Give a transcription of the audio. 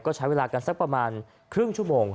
ก็ใช้เวลากันสักประมาณครึ่งชั่วโมง